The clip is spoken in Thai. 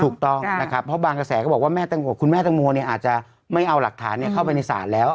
ถูกต้องนะครับเพราะบางกระแสก็บอกว่าคุณแม่ตังโมเนี่ยอาจจะไม่เอาหลักฐานเข้าไปในศาลแล้ว